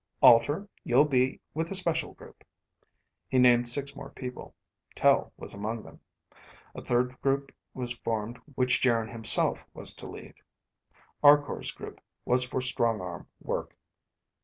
"Alter, you'll be with the special group." He named six more people. Tel was among them. A third group was formed which Geryn himself was to lead. Arkor's group was for strong arm work.